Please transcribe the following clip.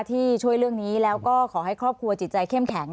ที่ช่วยเรื่องนี้แล้วก็ขอให้ครอบครัวจิตใจเข้มแข็ง